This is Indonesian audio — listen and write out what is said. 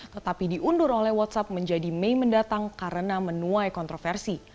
tetapi diundur oleh whatsapp menjadi mei mendatang karena menuai kontroversi